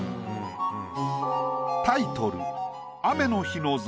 タイトル